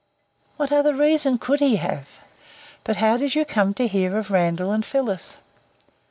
"What other reason could he have? But how did you come to hear of Randall and Phyllis?"